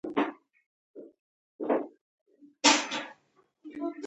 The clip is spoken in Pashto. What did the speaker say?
• خندېدونکی کس دوستان ډېر لري.